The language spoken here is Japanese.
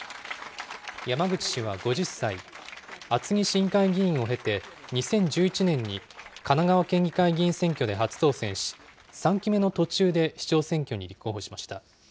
山口氏は５０歳、厚木市議会議員を経て２０１１年に神奈川県議会議員選挙で初当選し、３期目の途中で市長選挙に立候補しました。